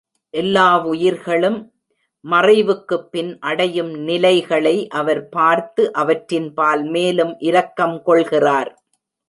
எல்லாவுயிர்களும் மறைவுக்குப்பின் அடையும் நிலைகளை அவர் பார்த்து அவற்றின்பால் மேலும் இரக்கம் கொள்கிறார்.